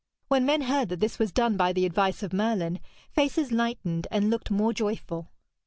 When men heard that this was done by the advice of Merlin, faces lightened and looked more joyful.